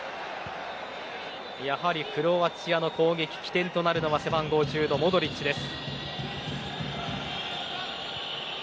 やはりクロアチアの攻撃起点となるのは背番号１０のモドリッチです。